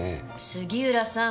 杉浦さん！